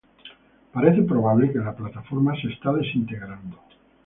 Parece probable que la plataforma se está desintegrando.